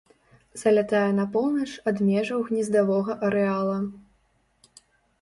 Залятае на поўнач ад межаў гнездавога арэала.